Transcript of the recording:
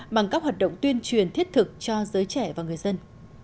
bằng các hoạt động tuyên truyền thiết thực cho giới trẻ và người dân